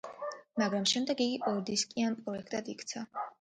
მაგრამ შემდეგ იგი ორდისკიან პროექტად იქცა.